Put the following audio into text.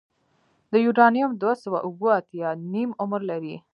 د یورانیم دوه سوه اوومه اتیا نیم عمر لري.